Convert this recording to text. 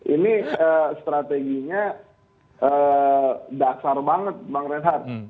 ini strateginya daksar banget bang renhard